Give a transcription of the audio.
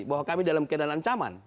bahwa kami dalam keadaan ancaman